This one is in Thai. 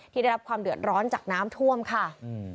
ได้รับความเดือดร้อนจากน้ำท่วมค่ะอืม